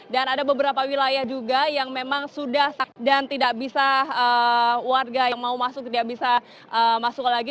dan ada beberapa wilayah juga yang memang sudah sakit dan tidak bisa warga yang mau masuk tidak bisa masuk lagi